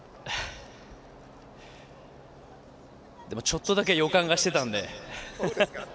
でも、ちょっとだけ予感はしていたんで。